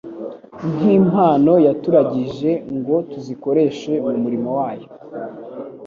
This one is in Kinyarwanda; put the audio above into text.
Nki mpano yaturagije, ngo tuzikoreshe mu murimo wayo.